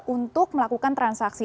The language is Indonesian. untuk melakukan transaksi